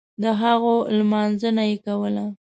دهغو لمانځنه یې کوله.